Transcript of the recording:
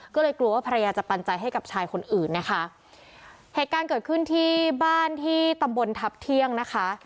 ก็เลยกลัวว่าภรรยาจะปันใจให้กับชายคนอื่นนะคะเหตุการณ์เกิดขึ้นที่บ้านที่ตำบลทัพเที่ยงนะคะ